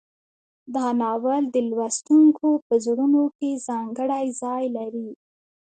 دا ناول د لوستونکو په زړونو کې ځانګړی ځای لري.